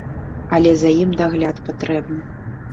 Але за ім дагляд патрэбны.